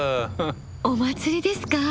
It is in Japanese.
お祭りですか？